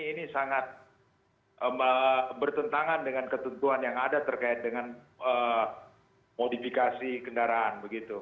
ini sangat bertentangan dengan ketentuan yang ada terkait dengan modifikasi kendaraan